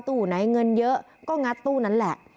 ตู้ไหนเงินเยอะก็งัดตู้นั้นแหละ